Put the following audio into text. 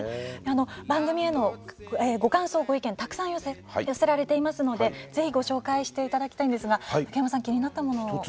番組へのご意見、ご感想はたくさん寄せられていますのでご紹介していただきたいんですが竹山さん、気になったものを。